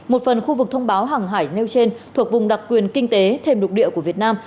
một phần khu vực thông báo hàng hải nêu trên thuộc vùng đặc quyền kinh tế thêm lục địa của việt nam